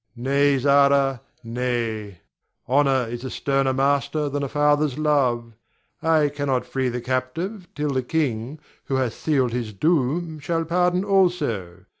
Ber. Nay, Zara, nay; honor is a sterner master than a father's love. I cannot free the captive till the king who hath sealed his doom shall pardon also.